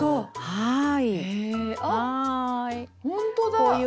はい。